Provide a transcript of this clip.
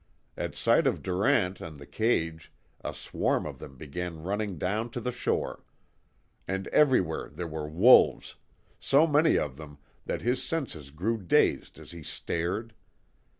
At sight of Durant and the cage a swarm of them began running down to the shore. And everywhere there were wolves, so many of them that his senses grew dazed as he stared.